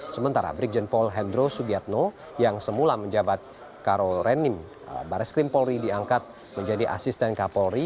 sementara irjenpol hendro sugiatno yang semula menjabat karol renim baris krimpolri diangkat menjadi asisten kapolri